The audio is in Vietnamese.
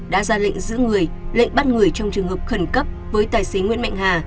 đã ra lệnh giữ người lệnh bắt người trong trường hợp khẩn cấp với tài xế nguyễn mạnh hà